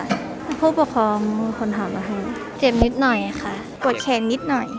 ค่ะผู้ประคองคอนถามมาให้เจ็บนิดหน่อยค่ะกวดแขนนิดหน่อย